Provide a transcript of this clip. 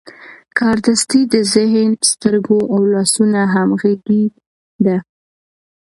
کاردستي د ذهن، سترګو او لاسونو همغږي ده.